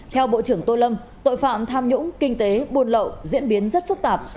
theo bộ trưởng tô lâm tội phạm tham nhũng kinh tế buôn lậu diễn biến rất phức tạp